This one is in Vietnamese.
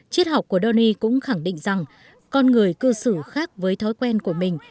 triết học của dony cũng khẳng định rằng con người cư xử khác với thói quen của mình